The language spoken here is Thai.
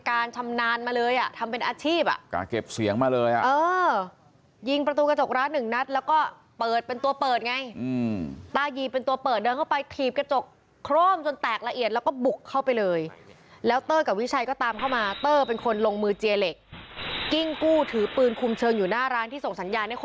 ชำนาญมาเลยอ่ะทำเป็นอาชีพอ่ะการเก็บเสียงมาเลยอ่ะเออยิงประตูกระจกร้านหนึ่งนัดแล้วก็เปิดเป็นตัวเปิดไงตายีเป็นตัวเปิดเดินเข้าไปถีบกระจกโคร่มจนแตกละเอียดแล้วก็บุกเข้าไปเลยแล้วเตอร์กับวิชัยก็ตามเข้ามาเตอร์เป็นคนลงมือเจียเหล็กกิ้งกู้ถือปืนคุมเชิงอยู่หน้าร้านที่ส่งสัญญาณค